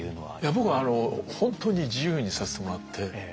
僕は本当に自由にさせてもらって。